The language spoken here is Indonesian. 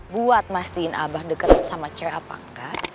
buat mastiin abah deket sama cewek apangka